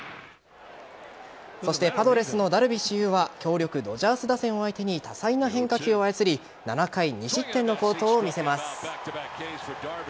そしてパドレスのダルビッシュ有は強力・ドジャース打線を相手に多彩な変化球を操り７回２失点の好投を見せます。